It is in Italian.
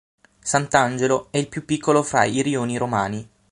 Sant'Angelo è il più piccolo fra i rioni romani.